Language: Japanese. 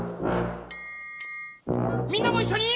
みんなもいっしょに！